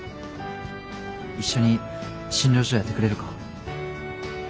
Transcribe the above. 一緒に診療所やってくれるか？